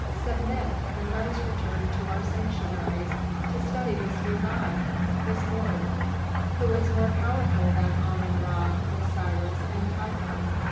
Submit, and let us return to our sanctuaries to study this new god, this Lord, who is more powerful than Ammon Ra, Osiris, and Typhon.